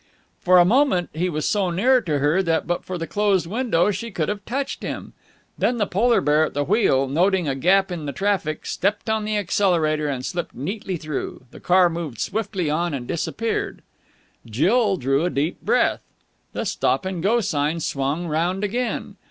For a moment he was so near to her that, but for the closed window, she could have touched him. Then the polar bear at the wheel, noting a gap in the traffic, stepped on the accelerator and slipped neatly through. The car moved swiftly on and disappeared. Jill drew a deep breath. The Stop and Go sign swung round again.